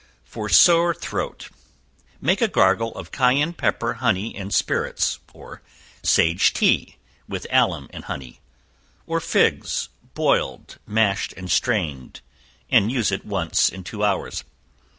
For Sore Throat. Make a gargle of cayenne pepper, honey and spirits, or sage tea, with alum and honey, or figs boiled, mashed and strained, and use it once in two hours.